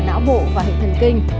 não bộ và hệ thần kinh